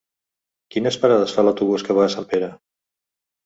Quines parades fa l'autobús que va a Sempere?